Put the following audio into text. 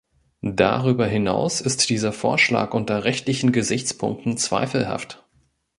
Darüber hinaus ist dieser Vorschlag unter rechtlichen Gesichtspunkten zweifelhaft.